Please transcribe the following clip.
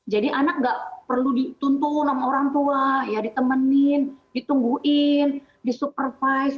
jadi anak nggak perlu dituntun sama orang tua ditemenin ditungguin disupervise